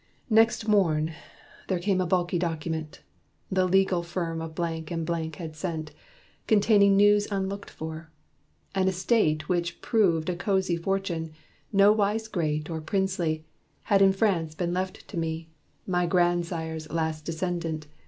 Next morn there came a bulky document, The legal firm of Blank & Blank had sent, Containing news unlooked for. An estate Which proved a cosy fortune no wise great Or princely had in France been left to me, My grandsire's last descendant.